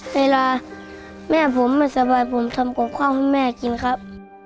เวลาแม่ผมไม่สบายผมทำกับข้าวให้แม่กินครับ